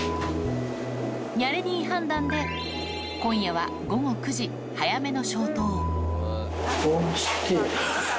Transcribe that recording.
ニャレ兄判断で、今夜は午後９時、早めの消灯。